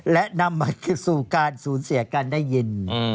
และนำมาสู่การสูญเสียการได้ยิน